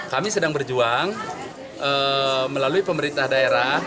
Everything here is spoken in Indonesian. kami sedang berjuang melalui pemerintah daerah